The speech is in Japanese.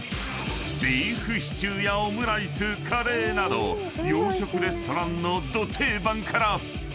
［ビーフシチューやオムライスカレーなど洋食レストランのど定番から］